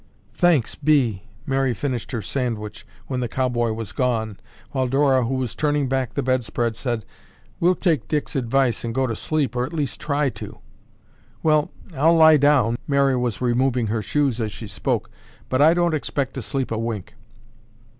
"Thanks be." Mary finished her sandwich when the cowboy was gone, while Dora, who was turning back the bedspread, said, "We'll take Dick's advice and go to sleep or at least try to." "Well, I'll lie down," Mary was removing her shoes as she spoke, "but I don't expect to sleep a wink."